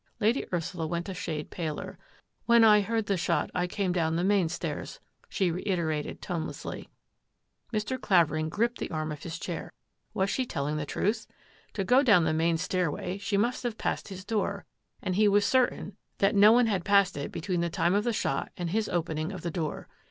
Lady Ursula went a shade paler. " When I heard the shot, I came down the main stairs," she reiterated tonelessly. Mr. Clavering gripped the arm of his chair. Was she telling the truth? To go down the main stairway she must have passed his door, and he was certain that no one had passed it between the time of the shot and his opening of the door.